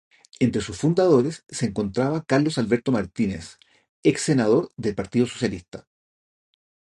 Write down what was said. Entre sus fundadores se encontraba Carlos Alberto Martínez, exsenador del Partido Socialista.